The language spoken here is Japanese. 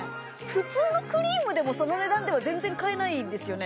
普通のクリームでもその値段では全然買えないですよね？